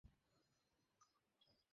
Internet কাজ করছে না।